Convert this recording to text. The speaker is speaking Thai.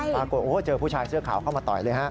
ปรากฏโอ้โหเจอผู้ชายเสื้อขาวเข้ามาต่อยเลยฮะ